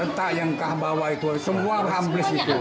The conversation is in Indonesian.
rentak yang ke bawah itu semua rambus itu